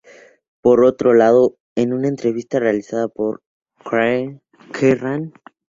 Por otro lado, en una entrevista realizada por la revista "Kerrang!